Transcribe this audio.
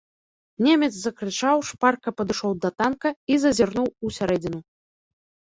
Немец закрычаў, шпарка падышоў да танка і зазірнуў у сярэдзіну.